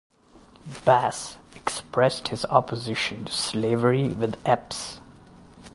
Bass expressed his opposition to slavery with Epps.